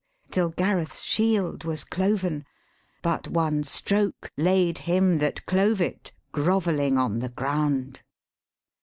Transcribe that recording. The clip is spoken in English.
Till Gareth's shield was cloven; but one stroke Laid him that clove it grovelling on the ground.